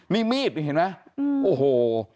นี่มีดนี่เห็นไหมโอ้โห